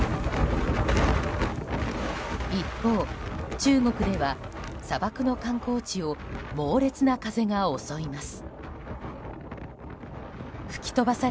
一方、中国では砂漠の観光地を猛烈な風が襲います。